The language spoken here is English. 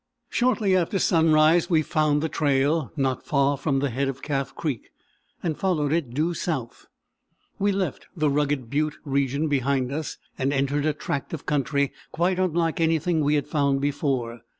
Shortly after sunrise we found the trail, not far from the head of Calf Creek, and followed it due south. We left the rugged butte region behind us, and entered a tract of country quite unlike anything we had found before.